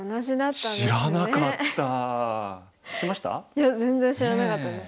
いや全然知らなかったです。